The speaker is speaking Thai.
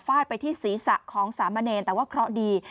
เพราะว่าสีสะของสามเณรแต่ว่าเคราะห์ดี